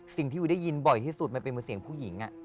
สิ่งที่วิวได้ยินบ่อยที่สุดมันเป็นเสียงผู้หญิง